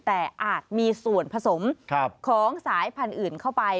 แต่อาจมีส่วนผสมของสายพันธุ์อื่นเข้าไป